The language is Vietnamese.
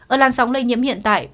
ở làn sóng lây nhiễm hiện tại